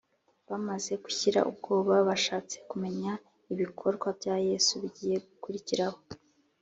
bamaze gushira ubwoba, bashatse kumenya ibikorwa bya yesu bigiye gukurikiraho